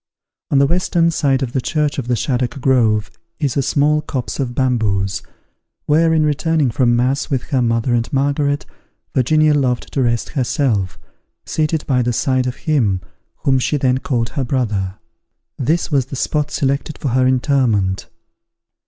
On the western side of the church of the Shaddock Grove is a small copse of bamboos, where, in returning from mass with her mother and Margaret, Virginia loved to rest herself, seated by the side of him whom she then called her brother. This was the spot selected for her interment.